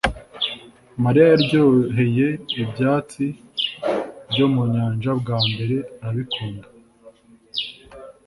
mariya yaryoheye ibyatsi byo mu nyanja bwa mbere arabikunda